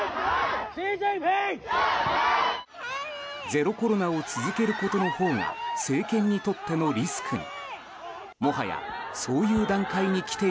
ゼロコロナを続けることのほうが政権にとってのリスクに。